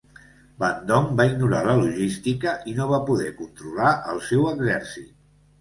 Van Dom va ignorar la logística i no va poder controlar el seu exèrcit.